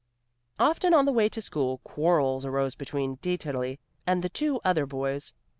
Often, on the way to school, quarrels arose between Dieterli and the two other boys.